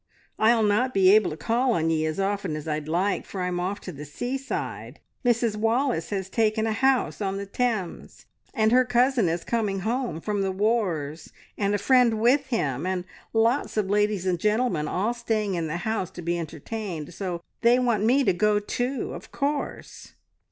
I'll not be able to call on ye as often as I'd like, for I'm off to the seaside. Mrs Wallace has taken a house on the Thames, and her cousin is coming home from the wars and a friend with him, and lots of ladies and gentlemen all staying in the house to be entertained, so they want me to go too. Of course!"